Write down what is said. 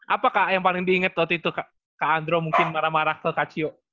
apa kak yang paling diinget waktu itu kak andro mungkin marah marah ke kachio